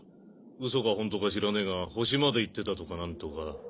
ウソか本当か知らねえが星まで行ってたとか何とか。